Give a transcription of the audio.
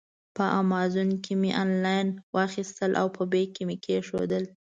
په امازان کې مې آنلاین واخیستل او په بیک کې مې کېښودل.